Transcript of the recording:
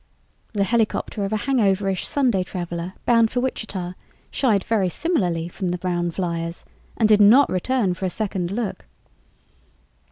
The helicopter of a hangoverish Sunday traveler bound for Wichita shied very similarly from the brown fliers and did not return for a second look.